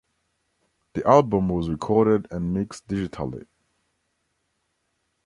The album was recorded and mixed Digitally.